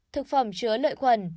thực phẩm chứa lợi quần